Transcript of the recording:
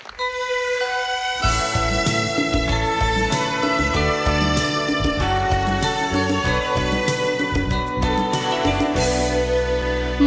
สู้ค่ะ